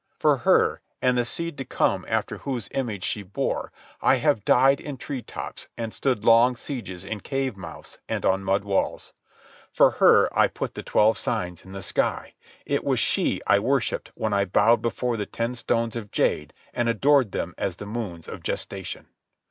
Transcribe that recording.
For her, and the seed to come after whose image she bore, I have died in tree tops and stood long sieges in cave mouths and on mud walls. For her I put the twelve signs in the sky. It was she I worshipped when I bowed before the ten stones of jade and adored them as the moons of gestation.